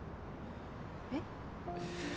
えっ？